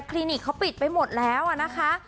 ลินิกเขาปิดไปหมดแล้วนะคะ